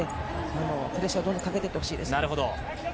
プレッシャーをかけていってほしいです。